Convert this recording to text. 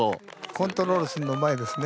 コントロールすんのうまいですね。